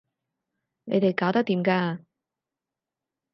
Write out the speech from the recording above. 你哋搞得掂㗎